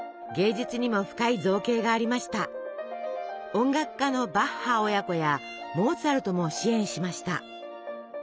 音楽家のバッハ親子やモーツァルトも支援しました。